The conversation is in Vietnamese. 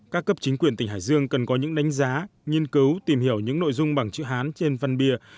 các cấp chính quyền tỉnh hải dương cần có những đánh giá nghiên cứu tìm hiểu những nội dung bằng chữ hán trên văn bia